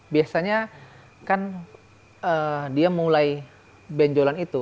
biasanya kan dia mulai benjolan itu